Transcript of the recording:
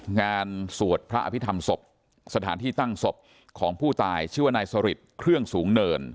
สวดพระอภิษฐรรมศพสถานที่ตั้งศพของผู้ตายชื่อว่านายสริทเครื่องสูงเนิน